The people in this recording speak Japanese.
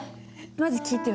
まず聞いて。